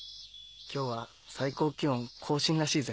今日は最高気温更新らしいぜ。